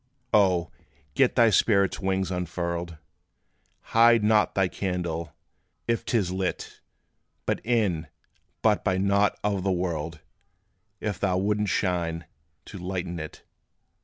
O! get thy spirit's wings unfurled! Hide not thy candle, if 't is lit: Be in, but be not of the world, If thou wouldst shine to lighten it.